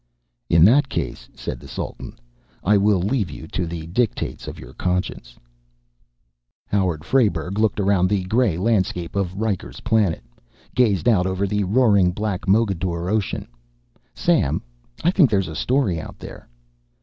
"In that case," said the Sultan, "I will leave you to the dictates of your conscience." Howard Frayberg looked around the gray landscape of Riker's Planet, gazed out over the roaring black Mogador Ocean. "Sam, I think there's a story out there."